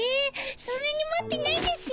そんなに持ってないですよ。